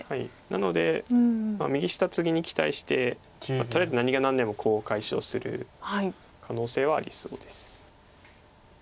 なので右下ツギに期待してとりあえず何が何でもコウを解消する可能性はありそうです。